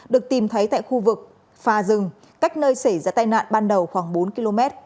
được tìm thấy tại khu vực phà rừng cách nơi xảy ra tai nạn ban đầu khoảng bốn km